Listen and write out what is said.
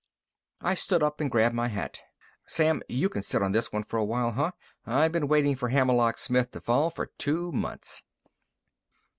I stood up and grabbed my hat. "Sam, you can sit on this one for a while, huh? I've been waiting for Hammerlock Smith to fall for two months."